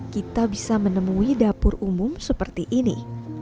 kita bisa menemui dapur umum seperti ini